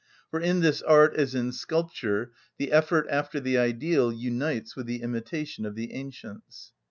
For in this art, as in sculpture, the effort after the ideal unites with the imitation of the ancients.